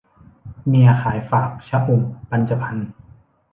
เมียขายฝาก - ชอุ่ม ปัญจพรรค์